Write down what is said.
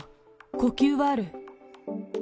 呼吸はある。